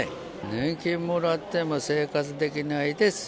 年金もらっても生活できないです。